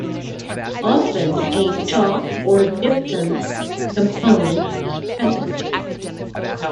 Often a chalk or gypsum component is present.